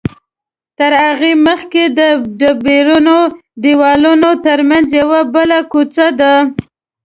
تر هغې مخکې د ډبرینو دیوالونو تر منځ یوه بله کوڅه ده.